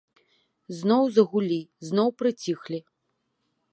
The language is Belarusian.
Зноў загулі, зноў прыціхлі.